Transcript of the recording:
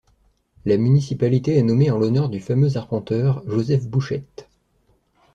La municipalité est nommée en l'honneur du fameux arpenteur Joseph Bouchette.